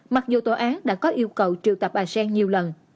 mặc dù tòa án đã có yêu cầu triệu tập bà sen nhiều lần